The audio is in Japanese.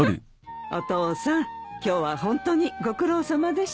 お父さん今日はホントにご苦労さまでした。